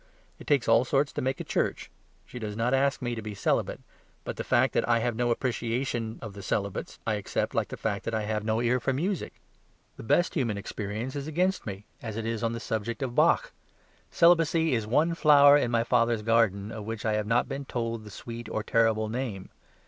It takes all sorts to make a church; she does not ask me to be celibate. But the fact that I have no appreciation of the celibates, I accept like the fact that I have no ear for music. The best human experience is against me, as it is on the subject of Bach. Celibacy is one flower in my father's garden, of which I have not been told the sweet or terrible name.